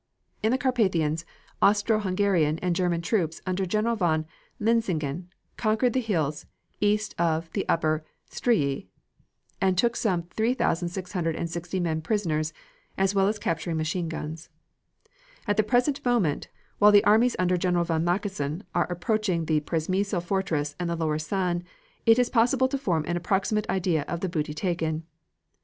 In the Carpathians Austro Hungarian and German troops under General von Linsingen conquered the hills east of the Upper Stryi, and took 3,660 men prisoners, as well as capturing six machine guns. At the present moment, while the armies under General von Mackensen are approaching the Przemysl fortresses and the lower San, it is possible to form an approximate idea of the booty taken.